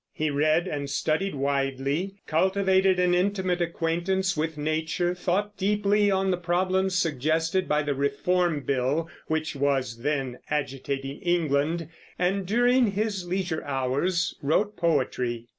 He read and studied widely, cultivated an intimate acquaintance with nature, thought deeply on the problems suggested by the Reform Bill which was then agitating England, and during his leisure hours wrote poetry.